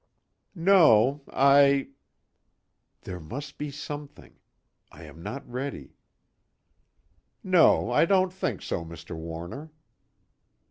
"No, I " There must be something. I am not ready "No, I don't think so, Mr. Warner."